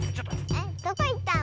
えっどこいったの？